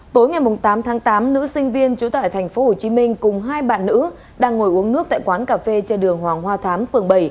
tối ngày tám tháng tám nữ sinh viên chủ tại tp hcm cùng hai bạn nữ đang ngồi uống nước tại quán cà phê trên đường hoàng hoa thám phường bảy